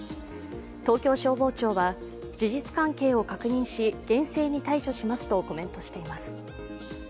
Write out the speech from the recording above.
東京消防庁は、事実関係を確認し厳正に対処しますとコメントしています。